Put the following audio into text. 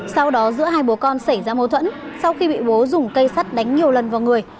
sau đó giữa hai bố con xảy ra mâu thuẫn sau khi bị bố dùng cây sắt đánh nhiều lần vào người